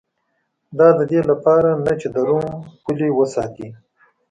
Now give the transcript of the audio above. دا د دې لپاره نه چې د روم پولې وساتي